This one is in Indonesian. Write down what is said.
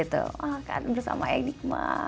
musik gitu bersama enigma